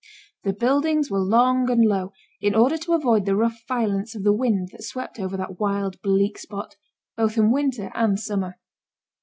The buildings were long and low, in order to avoid the rough violence of the winds that swept over that wild, bleak spot, both in winter and summer.